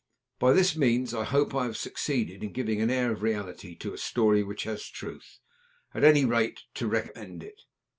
By this means I hope I have succeeded in giving an air of reality to a story which has truth, at any rate, to recommend it.